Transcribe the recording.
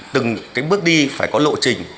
từng bước đi phải có lộ trình